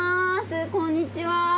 こんにちは。